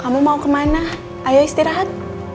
kamu mau kemana ayo istirahat